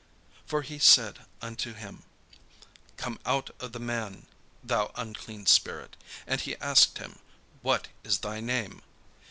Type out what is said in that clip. For he said unto him: "Come out of the man, thou unclean spirit," And he asked him: "What is thy name?"